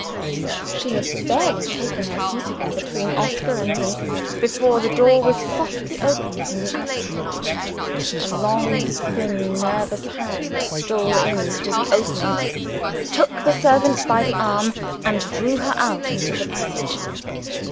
She had barely taken her seat again between Oscar and me, before the door was softly opened from the outside. A long thin nervous hand stole in through the opening; took the servant by the arm; and drew her out into the passage.